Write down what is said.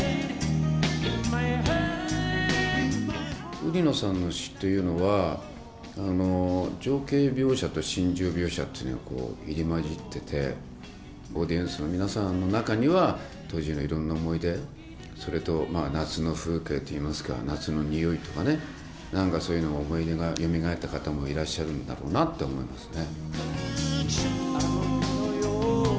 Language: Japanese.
売野さんの詞というのは、情景描写と心情描写っていうのが入り混じってて、オーディエンスの皆さんの中には当時のいろんな思い出、それと夏の風景といいますか、夏の匂いとかね、なんかそういうのが、思い出がよみがえった方もいらっしゃるんだろうなと思いますね。